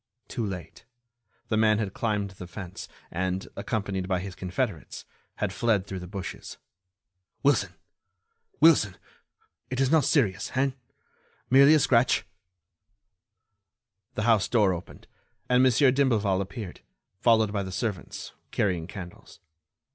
Too late—the man had climbed the fence and, accompanied by his confederates, had fled through the bushes. "Wilson, Wilson, it is not serious, hein? Merely a scratch." The house door opened, and Monsieur d'Imblevalle appeared, followed by the servants, carrying candles.